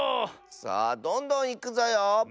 さあどんどんいくぞよ！